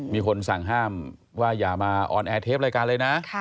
มีคนสั่งห้ามว่าอย่ามาออนแอร์เทปรายการเลยนะ